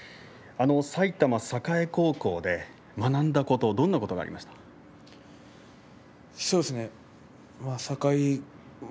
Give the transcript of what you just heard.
埼玉栄高校で学んだことどんなことがありましたか。